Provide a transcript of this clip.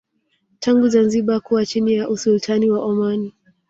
tangu Zanzibar kuwa chini ya Usultani wa Oman